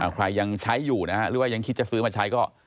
ใครยังใช้อยู่นะฮะหรือว่ายังคิดจะซื้อมาใช้ก็